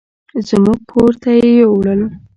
زموږ کور ته يې يوړل.